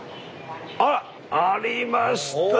あら！ありました。